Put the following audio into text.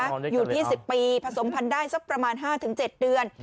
อยู่ที่๑๐ปีผสมพันธุ์ได้สักประมาณ๕๗เดือน